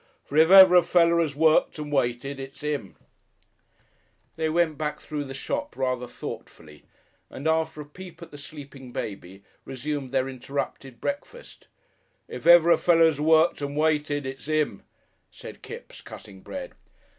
"For if ever a feller 'as worked and waited it's 'im."... They went back through the shop rather thoughtfully, and after a peep at the sleeping baby, resumed their interrupted breakfast. "If ever a feller 'as worked and waited, it's 'im," said Kipps, cutting bread.